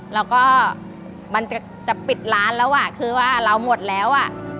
แล้วก็มันจะปิดร้านแล้วอ่ะคือว่าเราหมดแล้วอ่ะ